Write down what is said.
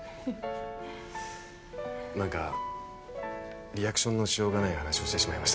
何かリアクションのしようがない話をしてしまいましたね。